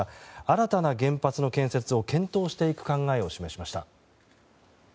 新たな原発の建設を検討していく考えを示しました。